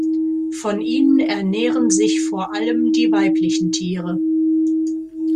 Von ihnen ernähren sich vor allem die weiblichen Tiere.